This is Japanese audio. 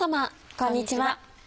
こんにちは。